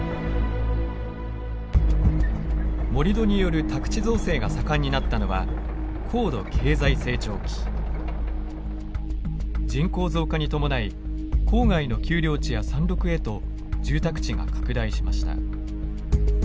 盛土による宅地造成が盛んになったのは人口増加に伴い郊外の丘陵地や山麓へと住宅地が拡大しました。